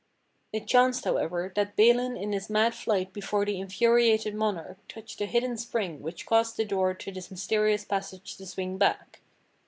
It chanced, however, that Balin in his mad flight before the infuriated monarch touched a hidden spring which caused the door to this mysterious passage to swing back.